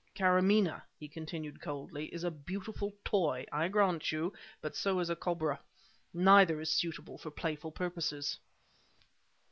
"Karamaneh," he continued coldly, "is a beautiful toy, I grant you; but so is a cobra. Neither is suitable for playful purposes."